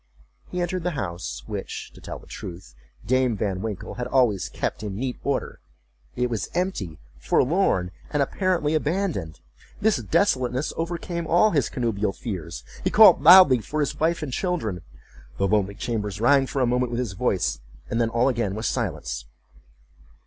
He entered the house, which, to tell the truth, Dame Van Winkle had always kept in neat order. It was empty, forlorn, and apparently abandoned. This desolateness overcame all his connubial fears—he called loudly for his wife and children—the lonely chambers rang for a moment with his voice, and then all again was silence.